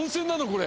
これ。